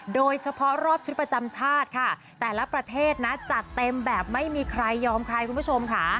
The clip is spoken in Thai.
โดยเฉพาะรอบชุดประจำชาติค่ะแต่ละประเทศนะจัดเต็มแบบไม่มีใครยอมใครคุณผู้ชมค่ะ